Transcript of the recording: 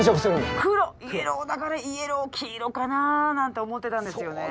イエローだからイエロー黄色かななんて思ってたんですよね。